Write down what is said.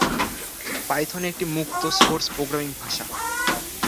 Python একটি মুক্ত source programming ভাষা।